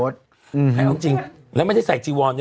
อืมนั่งจริงแล้วไม่ได้ใส่จี้วอร์นนะ